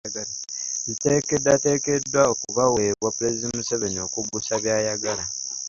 Ziteekeddwateekeddwa okubaweebwa Pulezidenti Museveni okuggusa by’ayagala .